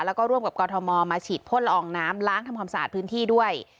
แล้วก็ร่วมกับกรทมมาฉีดพ่นละอองน้ำล้างทำความสะอาดพื้นที่ด้วย